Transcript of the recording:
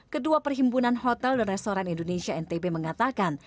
kedua perhimpunan hotel dan restoran indonesia ntb mengatakan